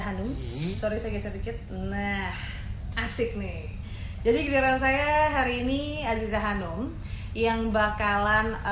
hanum sorry saya geser dikit nah asik nih jadi giliran saya hari ini aziza hanum yang bakalan